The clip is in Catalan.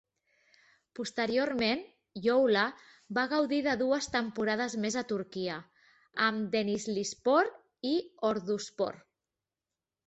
Posteriorment, Youla va gaudir de dues temporades més a Turquia, amb Denizlispor i Orduspor.